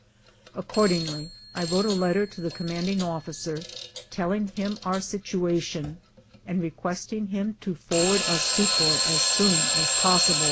Accordingly, I wrote a letter to the commanding officer, telling him our situation, and requesting him to forward us succor as soon as possible.